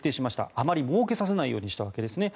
あまりもうけさせないようにしたわけですね。